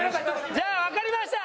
じゃあわかりました。